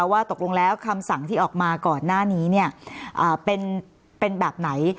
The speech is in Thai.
ว่าตกลงแล้วคำสั่งที่ออกมาก่อนหน้านี้เป็นแบบไหน